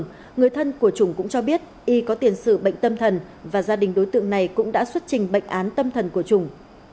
nhưng người thân của trùng cũng cho biết y có tiền sự bệnh tâm thần và gia đình đối tượng này cũng đã xuất trình bệnh án tâm thần của trùng